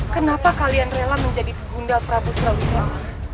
kenapa kalian rela menjadi gundal prabu surabaya